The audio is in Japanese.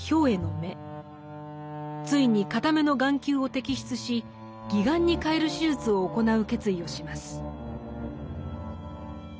ついに片目の眼球を摘出し義眼に替える手術を行う決意をします。